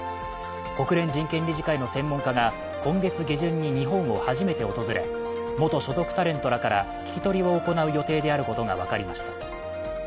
国連人権理事会の専門家が今月下旬に日本を初めて訪れ、元所属タレントらから聞き取りを行う予定であることが分かりました。